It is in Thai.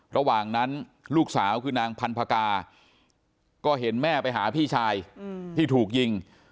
ระหว่างนั้นลูกสาวคือนางพันธกาก็เห็นแม่ไปหาพี่ชายที่ถูกยิง